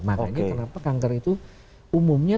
makanya kenapa kanker itu umumnya